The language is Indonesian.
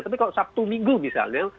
tapi kalau sabtu minggu misalnya